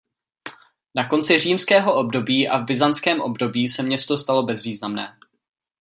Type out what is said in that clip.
Na konci římského období a v byzantském období se město stalo bezvýznamné.